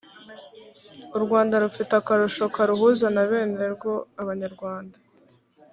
u rwanda rufite akarusho karuhuza na benerwo abanyarwanda